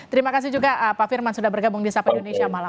terima kasih juga pak firman sudah bergabung di sapa indonesia malam